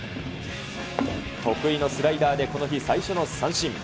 得意のスライダーでこの日最初の三振。